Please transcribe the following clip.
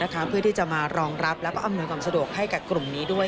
เขาอำนวยความสะดวกจากกลุ่มนี้ด้วย